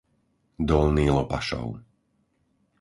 Dolný Lopašov